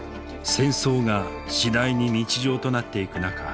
戦争が次第に日常となっていく中